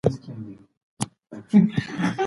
خوښي ماشوم ته مثبت چلند ښووي.